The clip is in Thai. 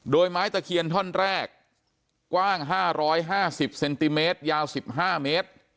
โดยไม้ตะเคียนท่อนแรกกว้าง๕๕๐เซนติเมตรยาว๑๕เมตร